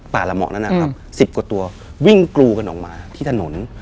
ละเหมาะนั้นนะครับ๑๐กว่าตัววิ่งกรูกันออกมาที่ถนน